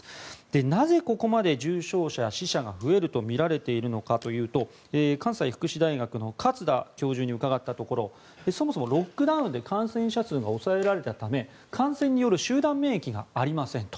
なぜここまで重症者や死者が増えるとみられているのかというと関西福祉大学の勝田教授に伺ったところそもそもロックダウンで感染者数が抑えられたため感染による集団免疫がありませんと。